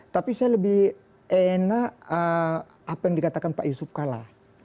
tapi saya lebih enak apa yang dikatakan pak yusuf kalla